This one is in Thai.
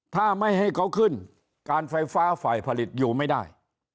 ถ้าไม่ให้เขาขึ้นการไฟฟ้าฝ่ายผลิตอยู่ไม่ได้